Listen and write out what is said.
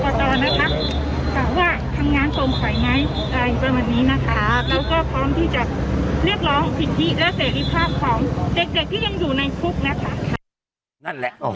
ก็เป็นเสียงประชาธิปไตยเนอะพี่เนอะสักครั้งประชาธิปไตยเราคือติดหนึ่งติดหนึ่งเสียงค่ะ